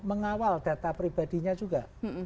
mengawal data pribadinya juga